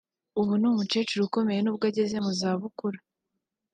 ubu ni umukecuru ukomeye n’ubwo ageze mu za bukuru